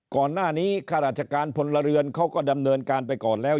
ข้าราชการพลเรือนเขาก็ดำเนินการไปก่อนแล้ว